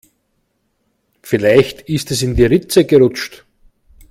Vielleicht ist es in die Ritze gerutscht.